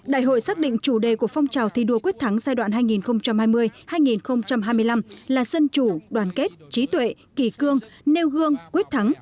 đại hội xác định chủ đề của phong trào thi đua quyết thắng giai đoạn hai nghìn hai mươi hai nghìn hai mươi năm là dân chủ đoàn kết trí tuệ kỳ cương nêu gương quyết thắng